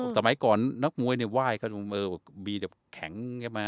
สมัยก่อนเนาะมวยไหว่เฉ่ง